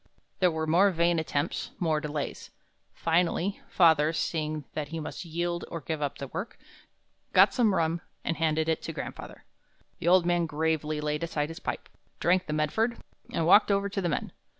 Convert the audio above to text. There were more vain attempts, more delays. Finally, father, seeing that he must yield or give up the work, got some rum and handed it to grandfather. The old man gravely laid aside his pipe, drank the Medford, and walked over to the men.